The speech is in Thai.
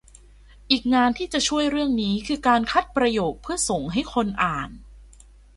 อีกงานที่จะช่วยเรื่องนี้ คือการคัดประโยคเพื่อส่งให้คนอ่าน